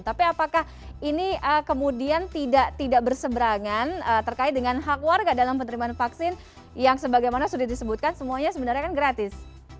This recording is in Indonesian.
tapi apakah ini kemudian tidak berseberangan terkait dengan hak warga dalam penerimaan vaksin yang sebagaimana sudah disebutkan semuanya sebenarnya kan gratis